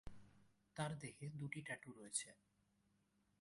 তার দেহে দুটি ট্যাটু রয়েছে।